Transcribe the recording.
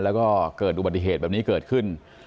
แล้วก็เกิดอุบัติเหตุแบบนี้เกิดขึ้น